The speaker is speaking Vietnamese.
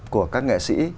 của các nghệ sĩ